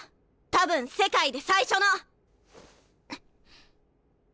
多分世界で最初の！